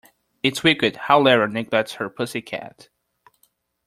It's wicked how Lara neglects her pussy cat.